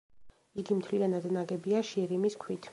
იგი მთლიანად ნაგებია შირიმის ქვით.